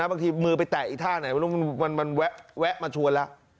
บางทีมือไปแตะอีกท่าไหนมันแวะมาชวนแล้ว